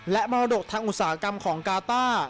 และมรดกทางอุตสาหกรรมของกาต้า